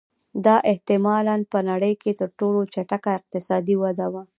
دا احتما لا په نړۍ کې تر ټولو چټکه اقتصادي وده وه